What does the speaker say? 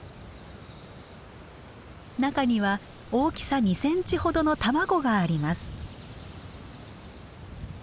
中には大きさ２ｃｍほどの卵があります。